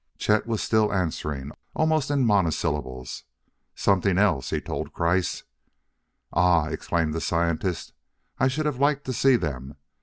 Chet was still answering almost in monosyllables. "Something else," he told Kreiss. "Ah," exclaimed the scientist, "I should have liked to see them.